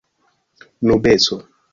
nubeco